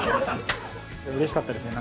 うれしかったですね。